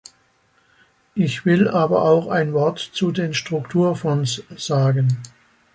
Ich will aber auch ein Wort zu den Strukturfonds sagen.